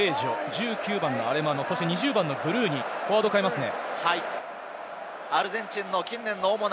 １８番のベージョ、１９番のアレマノ、２０番のブルーニ、フォワードを代えますね。